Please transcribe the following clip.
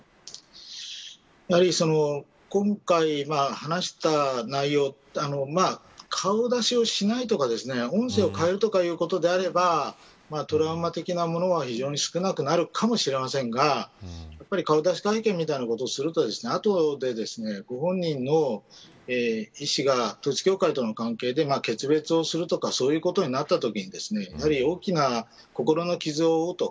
やはり今回、話した内容顔出しをしないとか音声を変えるということであればトラウマ的なものは非常に少なくなるかもしれませんが顔出し会見みたいなことをするとあとで、ご本人の意思が統一教会との関係で決別をするとかそういうことになったときに大きな心の傷を負うと。